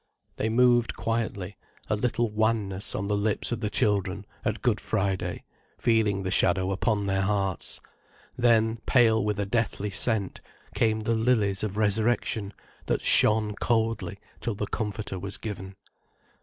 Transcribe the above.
They moved quietly, a little wanness on the lips of the children, at Good Friday, feeling the shadow upon their hearts. Then, pale with a deathly scent, came the lilies of resurrection, that shone coldly till the Comforter was given.